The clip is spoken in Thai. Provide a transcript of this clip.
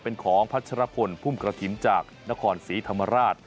เป็นของพัชรพลพุ่มกระถิ่นจากนครศรีธรรมราช